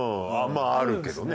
まああるけどね。